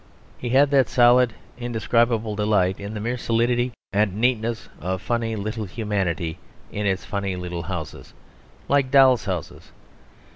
He had that solid, indescribable delight in the mere solidity and neatness of funny little humanity in its funny little houses, like doll's houses.